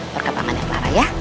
perkembangan yang clara ya